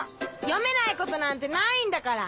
読めないことなんてないんだから！